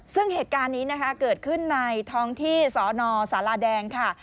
ซึ่งเหตุการณ์นี้นะคะเกิดขึ้นในท้องที่สนสาราแดงค่ะ